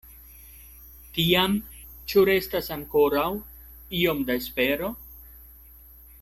Tiam ĉu restas ankoraŭ iom da espero?